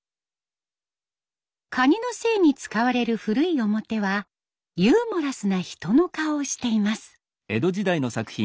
蟹の精に使われる古い面はユーモラスな人の顔をしています。